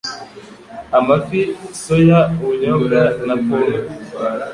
amafi, soya, ubunyobwa na pomme,